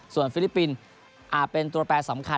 ฟิลิปปินส์อาจเป็นตัวแปรสำคัญ